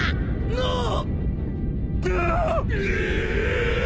なっ！？